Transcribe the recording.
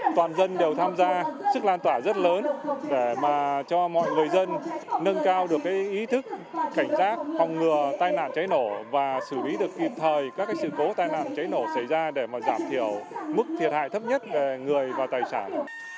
toàn dân đều tham gia sức lan tỏa rất lớn để mà cho mọi người dân nâng cao được ý thức cảnh giác phòng ngừa tai nạn cháy nổ và xử lý được kịp thời các sự cố tai nạn cháy nổ xảy ra để mà giảm thiểu mức thiệt hại thấp nhất về người và tài sản